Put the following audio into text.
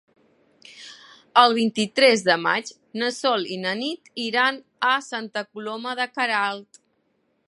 El vint-i-tres de maig na Sol i na Nit iran a Santa Coloma de Queralt.